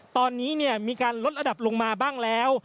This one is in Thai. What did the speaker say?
ตอนนี้มีการลดระดับลงมาบ้างแล้ว